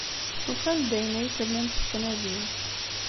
Tufam-d ayen ay tellam tettnadim.